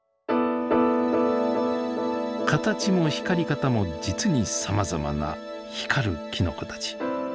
形も光り方も実にさまざまな光るきのこたち。